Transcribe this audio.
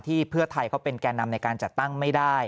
เพื่อไทยเขาเป็นแก่นำในการจัดตั้งไม่ได้